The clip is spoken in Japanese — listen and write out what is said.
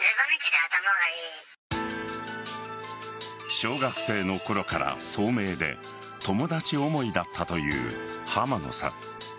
小学生のころから聡明で友達思いだったという濱野さん。